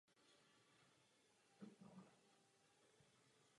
Jsem tedy Parlamentu za jeho příspěvek velmi vděčný.